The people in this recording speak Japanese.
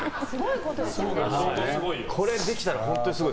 これできたら本当にすごい。